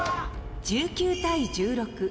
１９対１６。